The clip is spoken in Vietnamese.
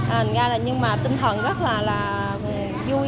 hình ra là nhưng mà tinh thần rất là là vui